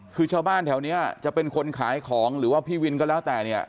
คือชาวบ้านแถวนี้จะเป็นคนขายของหรือว่าพี่วินก็แล้วแต่เนี่ย